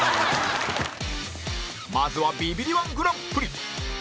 まずはビビリ −１ グランプリ